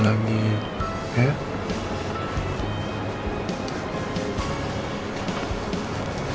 jangan begini lagi